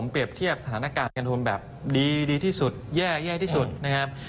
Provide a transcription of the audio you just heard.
เปรียบเทียบสถานการณ์ผลตอบแทนธีสูตรแบบ